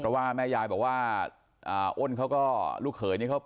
เพราะว่าแม่ยายบอกว่าอ้นเขาก็ลูกเขยนี่เขา